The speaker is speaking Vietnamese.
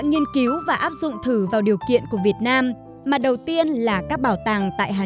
ông đã nghiên cứu và áp dụng thử vào điều kiện của việt nam mà đầu tiên là các bảo tàng tại hà nội